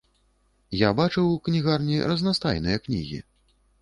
Я бачыў у кнігарні разнастайныя кнігі.